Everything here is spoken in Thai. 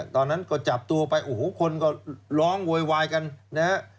ตอนนั้นก็จับตัวไปโอ้โหคนก็ร้องโวยวายกันนะฮะ